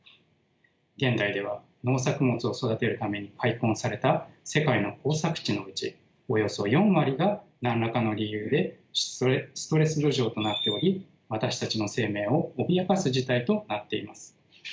現代では農作物を育てるために開墾された世界の耕作地のうちおよそ４割が何らかの理由でストレス土壌となっており私たちの生命を脅かす事態となっています。